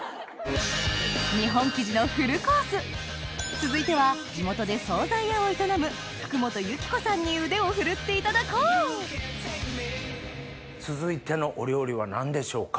続いては地元で総菜屋を営む福元由紀子さんに腕を振るっていただこう続いてのお料理は何でしょうか？